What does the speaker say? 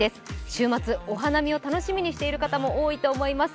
週末、お花見を楽しみにしている方も多いと思います。